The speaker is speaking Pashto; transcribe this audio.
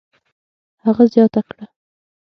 هغه زیاته کړه: